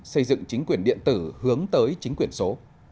xây dựng chính quyền điện tử hướng tới chính quyền số